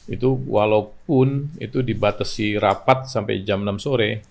itu walaupun itu dibatasi rapat sampai jam enam sore